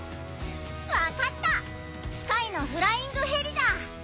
わかったスカイのフライングヘリだ！